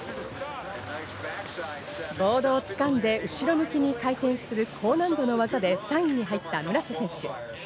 ボードを掴んで、後ろ向きに回転する高難度の技で３位に入った村瀬選手。